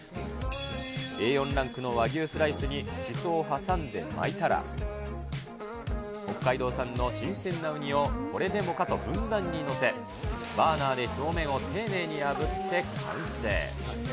Ａ４ランクの和牛スライスにしそを挟んで巻いたら、北海道産の新鮮なウニをこれでもかとふんだんに載せ、バーナーで表面を丁寧にあぶって完成。